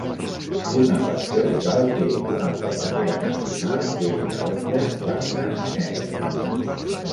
Una facció rival té una altra bandera nacional que és taronja, blanca i negre.